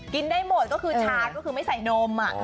ได้หมดก็คือชาก็คือไม่ใส่นม